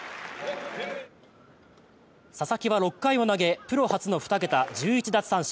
佐々木は６回を投げプロ初の２桁、１１奪三振。